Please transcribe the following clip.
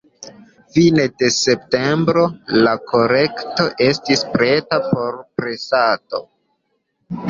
Fine de septembro la kolekto estis preta por presado.